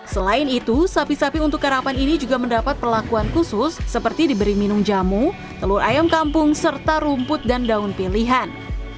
selain itu sapi sapi untuk karapan ini juga mendapat perlakuan khusus seperti diberi minum jamu telur ayam kampung serta rumput dan daun pilihan